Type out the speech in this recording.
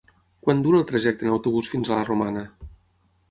Quant dura el trajecte en autobús fins a la Romana?